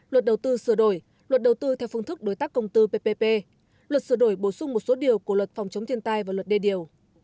luật đầu tư sửa đổi luật đầu tư theo phương thức đối tác công tư ppp luật sửa đổi bổ sung một số điều của luật phòng chống thiên tai và luật đê điều